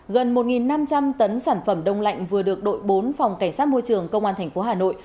gần một năm trăm linh tấn sản phẩm đông lạnh vừa được đội bốn phòng cảnh sát môi trường công an tp hà nội